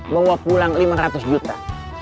bawa pulang lima ratus juta